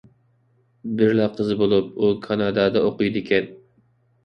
بىرلا قىزى بولۇپ، ئۇ كانادادا ئوقۇيدىكەن.